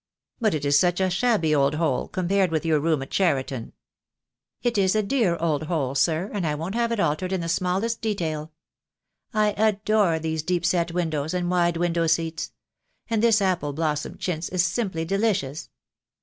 "But it is such a shabby old hole, compared with your room at Cheriton." "It is a dear old hole, sir, and I won't have it altered in the smallest detail. I adore those deep set windows and wide window seats; and this apple blossom chintz is simply delicious.